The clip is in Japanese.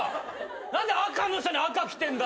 何で赤の下に赤着てんだよ。